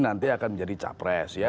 nanti akan menjadi capres ya